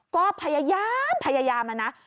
ก็พยายามมานะ